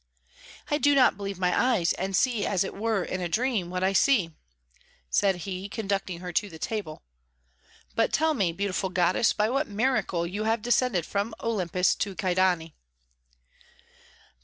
"I do not believe my eyes, and see as it were in a dream what I see," said he, conducting her to the table; "but tell me, beautiful goddess, by what miracle you have descended from Olympus to Kyedani?"